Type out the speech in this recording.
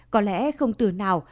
có lẽ không từ nào